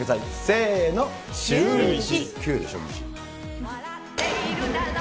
せーの、シューイチ。